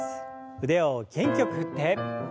腕を元気よく振って。